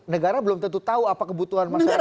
negara belum tentu tahu apa kebutuhan masyarakat